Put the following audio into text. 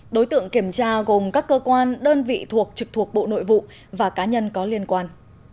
đối tượng kiểm tra gồm các cơ quan đơn vị thuộc trực thuộc bộ nội vụ và cá nhân có liên quan